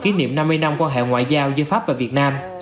kỷ niệm năm mươi năm quan hệ ngoại giao giữa pháp và việt nam